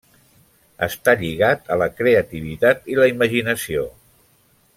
Està lligat a la creativitat i la imaginació.